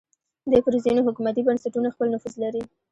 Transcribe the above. دوی پر ځینو حکومتي بنسټونو خپل نفوذ لري